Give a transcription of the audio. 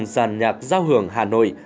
giàn nhạc giao hưởng hà nội